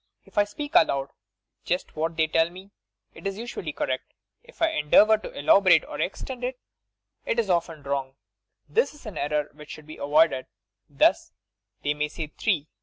If I speak aloud just what they tell me, it is usually correct. If I endeavour to elaborate or extend it, it is often wrong. This is an error which should be avoided. Thus: they may say 'three.'